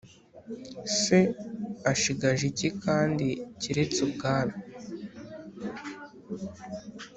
Se ashigaje iki kandi keretse ubwami